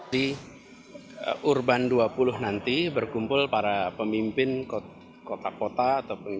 di urban dua puluh nanti berkumpul para pemimpin kota kota atau pemimpin